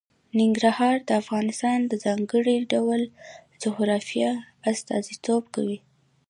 ننګرهار د افغانستان د ځانګړي ډول جغرافیه استازیتوب کوي.